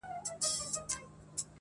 تښتي خوب له شپو څخه، ورځي لکه کال اوږدې٫